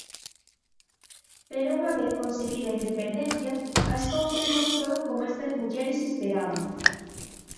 Pero unha vez conseguida a independencia as cousas non foron como estas mulleres esperaban.